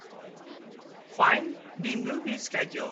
Fine the movie schedule.